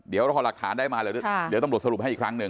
เดี๋ยวรอหลักฐานได้มาเดี๋ยวตำรวจสรุปให้อีกครั้งหนึ่ง